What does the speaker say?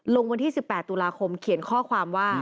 ลงวันที่๑๘ตุลาคมเขียนข้อความว่า